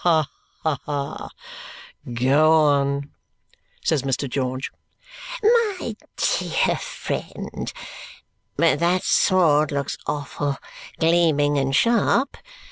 "Ha ha! Go on!" says Mr. George. "My dear friend! But that sword looks awful gleaming and sharp.